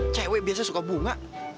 cewek biasanya suka bunga